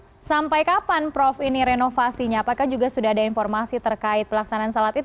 iya di prediksi sampai kapan prof ini renovasinya apakah juga sudah ada informasi terkait pelaksanaan sholat itu